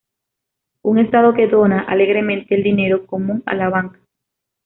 Un estado que dona alegremente el dinero común a la banca.